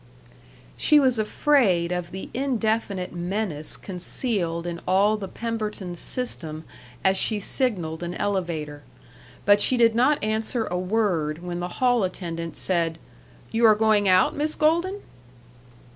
She was afraid of the indefinite menace concealed in all the Pemberton system as she signaled an elevator. But she did not answer a word when the hall attendant said, "You are going out, Miss Golden?"